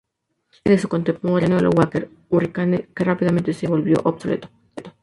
A diferencia de su contemporáneo, el Hawker Hurricane que rápidamente se volvió obsoleto.